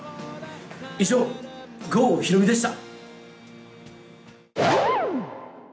以上、郷ひろみでした。